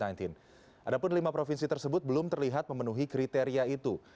adapun lima provinsi tersebut belum terlihat memenuhi kriteria itu